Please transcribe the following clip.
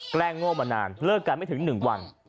แกล้งโง่มานานเลิกกันไม่ถึง๑วัน